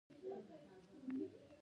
تشیال د تورو او زګیرویو ډک شو